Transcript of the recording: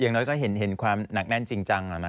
น้อยก็เห็นความหนักแน่นจริงจัง